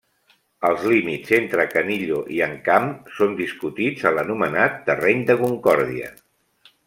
Els límits entre Canillo i Encamp són discutits a l'anomenat Terreny de Concòrdia.